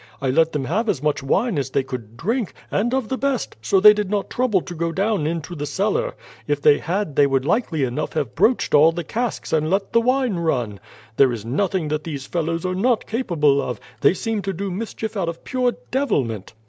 I let them have as much wine as they could drink, and of the best, so they did not trouble to go down into the cellar. If they had they would likely enough have broached all the casks and let the wine run. There is nothing that these fellows are not capable of; they seem to do mischief out of pure devilment."